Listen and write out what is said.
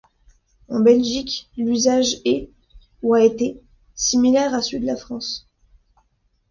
En Belgique, l'usage est, ou a été, similaire à celui de la France.